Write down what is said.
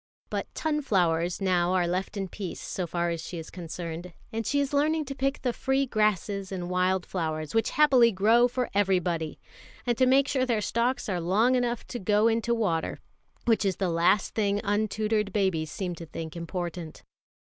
But "tunflowers" now are left in peace so far as she is concerned; and she is learning to pick the free grasses and wild flowers, which happily grow for everybody, and to make sure their stalks are long enough to go into water, which is the last thing untutored babies seem to think important.